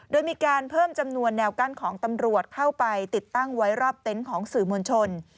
โดยมีการเพิ่มจำนวนแนวกั้นของตำรวจเข้าไปติดตั้งไว้รอบเต็นต์ของสื่อมวลชน